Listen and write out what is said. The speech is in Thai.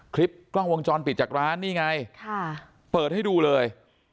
คลิปกล้องวงจรปิดจากร้านนี่ไงเปิดให้ดูเลย